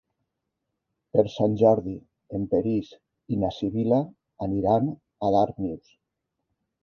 Per Sant Jordi en Peris i na Sibil·la aniran a Darnius.